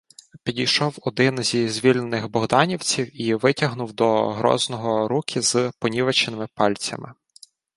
Підійшов один зі звільнених богданівців і витягнув до Грозного руки з понівеченими пальцями: